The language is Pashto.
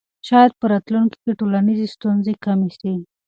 شاید په راتلونکي کې ټولنیزې ستونزې کمې سي.